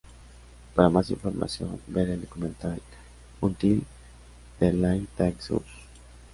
Para más información ver el documental Until The Light Takes Us